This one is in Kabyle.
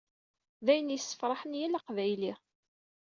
Dayen yesfrahen yal aqbayli.